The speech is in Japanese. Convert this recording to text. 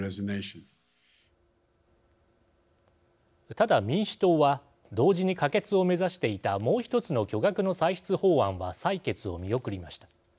ただ、民主党は同時に可決を目指していたもう１つの巨額の歳出法案は採決を見送りました。